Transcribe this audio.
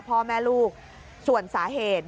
พ่อแม่ลูกส่วนสาเหตุ